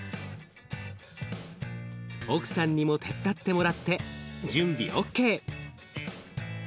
奥さんにも手伝ってもらって準備ＯＫ。